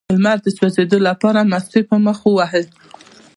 د لمر د سوځیدو لپاره مستې په مخ ووهئ